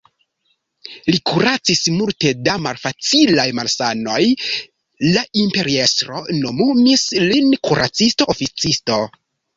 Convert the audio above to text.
Li kuracis multe da malfacilaj malsanoj, la imperiestro nomumis lin kuracisto-oficisto.